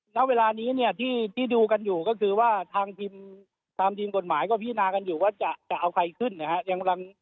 ณเวลานี้เนี่ยที่ดูกันอยู่ก็คือว่าทางทีมทางทีมกฎหมายก็พิจารณากันอยู่ว่าจะเอาใครขึ้นนะครับ